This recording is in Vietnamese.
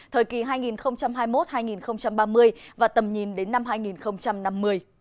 thời kỳ hai nghìn hai mươi một hai nghìn ba mươi và tầm nhìn đến năm hai nghìn năm mươi